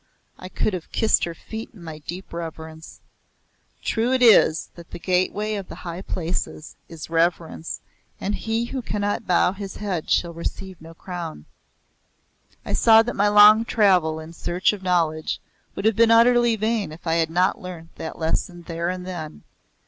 I could have kissed her feet in my deep repentance. True it is that the gateway of the high places is reverence and he who cannot bow his head shall receive no crown. I saw that my long travel in search of knowledge would have been utterly vain if I had not learnt that lesson there and then.